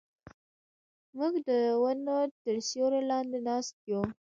موږ د ونو تر سیوري لاندې ناست یو.